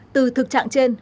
từ thực trạng trên